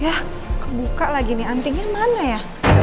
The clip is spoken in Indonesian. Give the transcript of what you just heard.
yah kebuka lagi nih antingnya mana ya